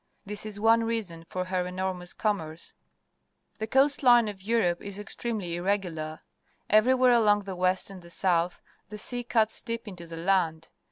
This is one reason for her enormous commerce. The coast line of Europe is extremely irregular. Ever^'^vhere along the west and the south the sea cuts deep into the land.